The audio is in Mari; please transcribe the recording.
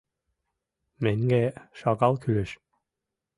Меҥге шагал кӱлеш.